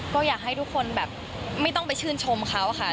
ก็อยากให้ทุกคนแบบไม่ต้องไปชื่นชมเขาค่ะ